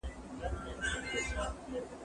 کېدای سي باغ ګنده وي!؟